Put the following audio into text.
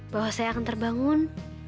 bahwa saya akan terbangun